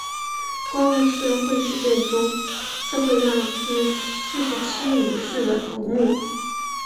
元禄赤穗事件中赤穗浪士四十七武士的头目。